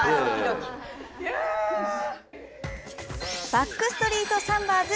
バックストリートサンバーズ